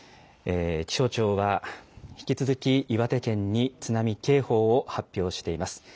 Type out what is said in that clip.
気象庁は、引き続き岩手県に津波警報を発表しています。